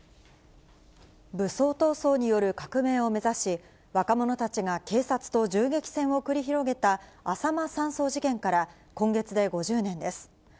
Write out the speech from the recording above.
武装闘争による革命を目指し、若者たちが警察と銃撃戦を繰り広げたあさま山荘事件から、今月で５０年です。